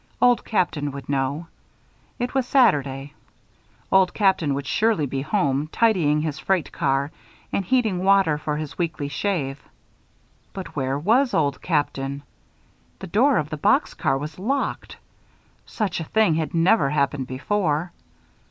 Old Captain would know. It was Saturday. Old Captain would surely be home, tidying his freight car and heating water for his weekly shave. But where was Old Captain? The door of the box car was locked. Such a thing had never happened before.